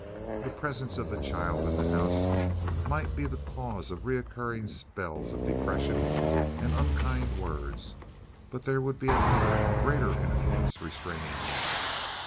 The presence of the child in the house might be the cause of recurring spells of depression and unkind words, but there would be another and greater influence restraining him.